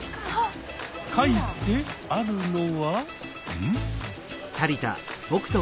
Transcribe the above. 書いてあるのはん？